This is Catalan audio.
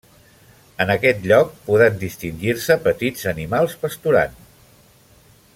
En aquest lloc poden distingir-se petits animals pasturant.